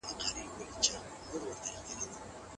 که امنیت وي، سیلانیان به ډېر شي.